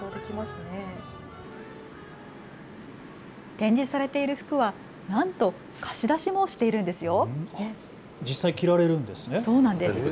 展示されている服はなんと貸し出しもしているんですよ。